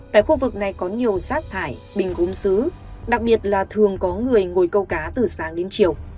tại khu vực này có nhiều rác thải bình gốm xứ đặc biệt là thường có người ngồi câu cá từ sáng đến chiều